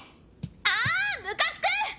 あムカつく！